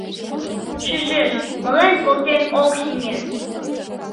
Шижеш: мален колтен ок сеҥе.